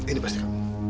ini pasti kamu